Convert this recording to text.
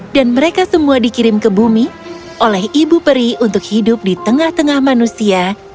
dan mereka semua dikirim ke bumi oleh ibu peri untuk hidup di tengah tengah manusia